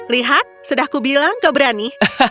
lihat sudah kubilang kau berani